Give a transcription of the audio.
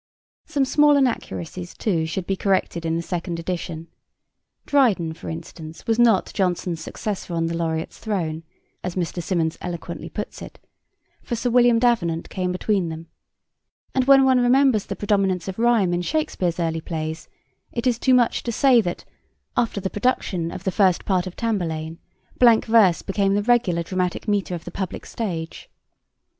Some small inaccuracies, too, should be corrected in the second edition. Dryden, for instance, was not 'Jonson's successor on the laureate's throne,' as Mr. Symonds eloquently puts it, for Sir William Davenant came between them, and when one remembers the predominance of rhyme in Shakespeare's early plays, it is too much to say that 'after the production of the first part of Tamburlaine blank verse became the regular dramatic metre of the public stage.'